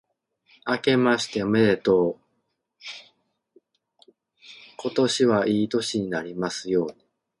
あけましておめでとう。今年はいい年になりますように。